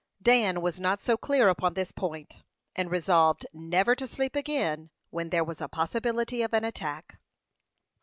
Dan was not so clear upon this point, and resolved never to sleep again when there was a possibility of an attack.